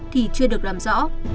thì chưa được làm rõ